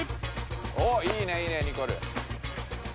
おっいいねいいねニコル。